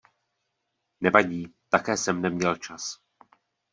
Nevadí - také jsem neměl čas.